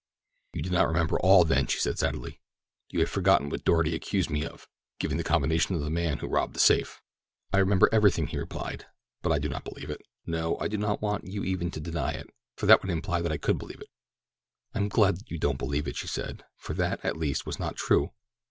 "You do not remember all, then," she said sadly. "You have forgotten what Doarty accused me of—giving the combination to the man who robbed the safe." "I remember everything," he replied, "but I do not believe it—no, I do not want you even to deny it, for that would imply that I could believe it." "I am glad that you don't believe it," she said, "for that, at least, was not true!